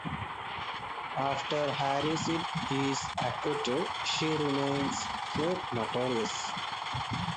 After Harriet is acquitted, she remains quite notorious.